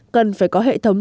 cần phải có hệ thống